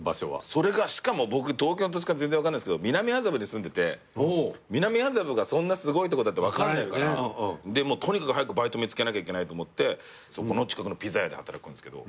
それがしかも僕東京の土地勘全然分かんないんですけど南麻布に住んでて南麻布がそんなすごいとこだって分かんないからとにかく早くバイト見つけなきゃいけないと思ってそこの近くのピザ屋で働くんすけど。